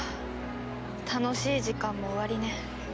楽しい時間も終わりね。